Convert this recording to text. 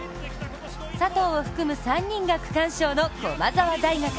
佐藤を含む３人が区間賞の駒澤大学。